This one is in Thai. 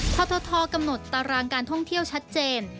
ททกำหนดตารางการท่องเที่ยวชัดเจน